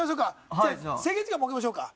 じゃあ制限時間設けましょうか。